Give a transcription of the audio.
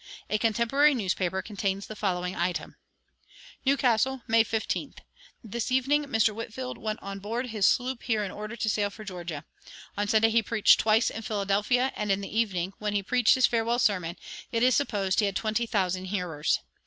A contemporary newspaper contains the following item: "New Castle, May 15th. This evening Mr. Whitefield went on board his sloop here in order to sail for Georgia. On Sunday he preached twice in Philadelphia, and in the evening, when he preached his farewell sermon, it is supposed he had twenty thousand hearers.